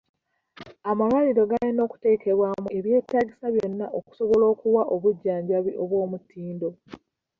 Amalwaliro galina okuteekebwamu e byetaagisa byonna okusobola okuwa obujjanjabi obw'omutindo.